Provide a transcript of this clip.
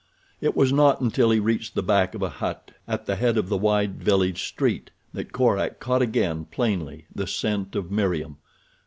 It was not until he reached the back of a hut at the head of the wide village street that Korak caught again, plainly, the scent of Meriem.